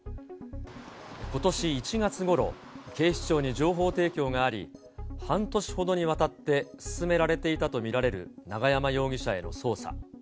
ことし１月ごろ、警視庁に情報提供があり、半年ほどにわたって進められていたと見られる永山容疑者への捜査。